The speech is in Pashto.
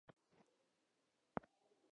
په شلمې پېړۍ کې دغه کچه بیا هم لوړه شوه.